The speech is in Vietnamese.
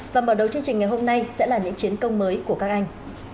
và mở đầu chương trình ngày hôm nay sẽ là những chiến công mới của các anh